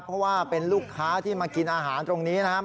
เพราะว่าเป็นลูกค้าที่มากินอาหารตรงนี้นะครับ